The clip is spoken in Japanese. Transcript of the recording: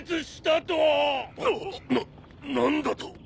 な何だと！？